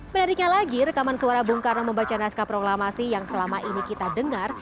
menariknya lagi rekaman suara bung karno membaca naskah proklamasi yang selama ini kita dengar